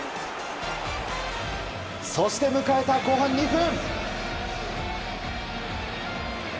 そして、迎えた後半２分。